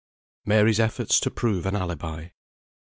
MARY'S EFFORTS TO PROVE AN ALIBI.